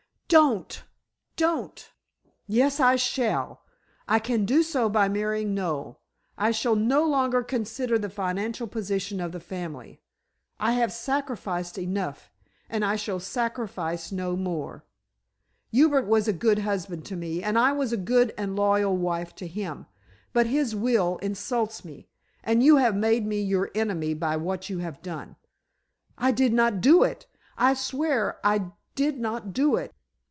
No! No! Don't don't " "Yes, I shall. I can do so by marrying Noel. I shall no longer consider the financial position of the family. I have sacrificed enough, and I shall sacrifice no more. Hubert was a good husband to me, and I was a good and loyal wife to him; but his will insults me, and you have made me your enemy by what you have done." "I did not do it. I swear I did not do it."